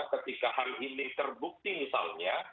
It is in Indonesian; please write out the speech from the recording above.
ketika hal ini terbukti misalnya